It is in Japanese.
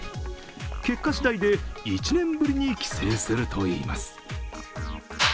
結果次第で１年ぶりに帰省するといいます。